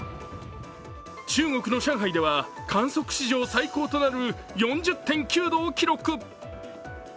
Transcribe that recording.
中国の上海では、観測史上最高となる４０．９度を記録。